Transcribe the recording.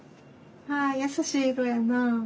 優しい色やなあ。